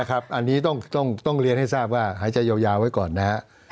อันนี้ต้องเรียนให้ทราบว่าหายใจยาวไว้ก่อนนะครับ